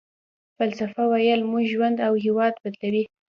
فلسفه ويل مو ژوند او هېواد بدلوي.